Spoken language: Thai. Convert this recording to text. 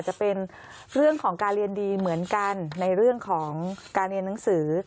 จะเป็นเรื่องของการเรียนดีเหมือนกันในเรื่องของการเรียนหนังสือ